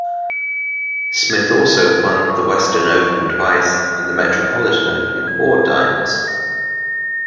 Smith also won the Western Open twice and the Metropolitan Open four times.